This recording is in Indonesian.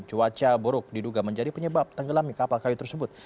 cuaca buruk diduga menjadi penyebab tenggelamnya kapal kayu tersebut